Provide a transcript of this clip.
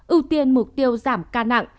ưu tiên mục tiêu giảm ca nặng